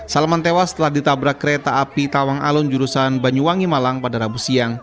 salman tewas setelah ditabrak kereta api tawang alun jurusan banyuwangi malang pada rabu siang